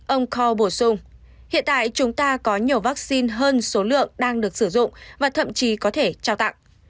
ông co bổ sung hiện tại chúng ta có nhiều vaccine hơn số lượng đang được sử dụng và thậm chí có thể trao tặng